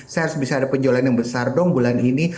saya harus bisa ada penjualan yang besar dong bulan ini